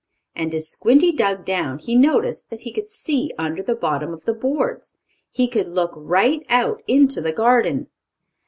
And, as Squinty dug down, he noticed that he could see under the bottom of the boards. He could look right out into the garden.